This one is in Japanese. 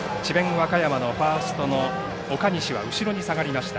和歌山のファーストの岡西は後ろに下がりました。